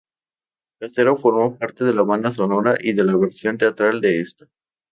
Casero formó parte de la banda sonora y de la versión teatral de esta.